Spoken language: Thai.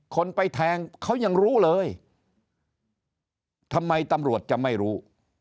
คนไปแทงเขายังรู้เลยทำไมตำรวจจะไม่รู้